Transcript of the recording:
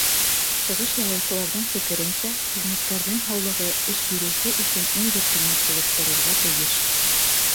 Сығыш яһаусыларҙың фекеренсә, хеҙмәткәрҙең һаулығы эш биреүсе өсөн иң ҙур ҡиммәт булып торорға тейеш.